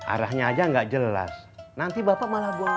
arahnya aja nggak jelas nanti bapak malah boleh